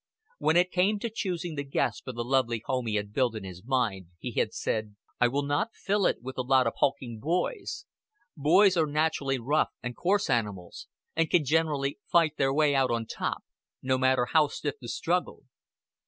When it came to choosing the guests for the lovely home he had built in his mind, he had said: "I will not fill it with a lot of hulking boys. Boys are naturally rough and coarse animals, and can generally fight their way out on top, no matter how stiff the struggle.